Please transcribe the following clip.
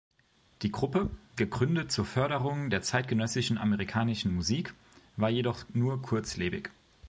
Die Gruppe, gegründet zur Förderung der zeitgenössischen amerikanischen Musik, war jedoch nur kurzlebig.